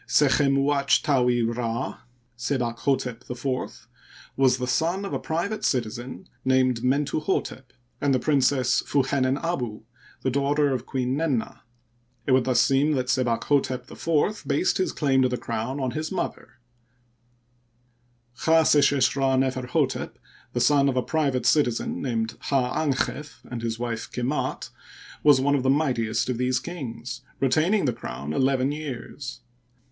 Sechem uatj taui' Rd, Sebakhdtep IV, was the son of a private citizen named MentuhStep and the Princess Fu henen abu, the daughter of Queen Nenna, It would thus seem that Sebakhdtep IV based his claim to the crown on his mother. Chdseshesh Rd Neferhdtep, the son of a private citizen named Hd dnchef and his wife Kemdt, was one of the mightiest of these kings, retaining the crown eleven years.